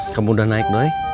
kamu udah naik doi